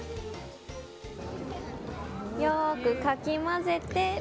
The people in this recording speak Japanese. よくかき混ぜて。